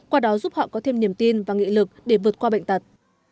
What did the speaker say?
qua đó giúp họ có thêm niềm tin và nghị lực để vượt qua bệnh tật